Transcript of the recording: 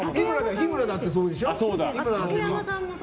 日村だってそうでしょう。